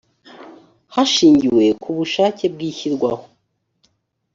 hashingiwe ku bushake bw ishyirwaho